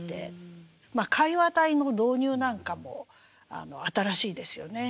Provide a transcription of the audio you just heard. まあ会話体の導入なんかも新しいですよね。